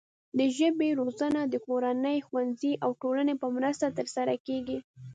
د ژبې روزنه د کورنۍ، ښوونځي او ټولنې په مرسته ترسره کیږي.